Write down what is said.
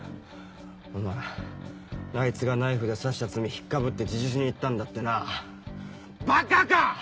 お前あいつがナイフで刺した罪引っかぶって自首しに行ったんだってなばかか！